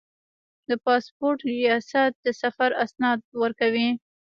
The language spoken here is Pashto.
د پاسپورت ریاست د سفر اسناد ورکوي